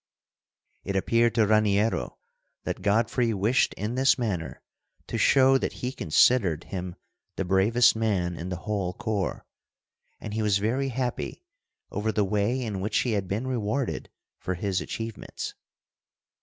It appeared to Raniero that Godfrey wished in this manner to show that he considered him the bravest man in the whole corps; and he was very happy over the way in which he had been rewarded for his achievements.